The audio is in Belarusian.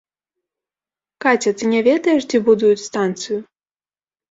Каця, ты не ведаеш, дзе будуюць станцыю?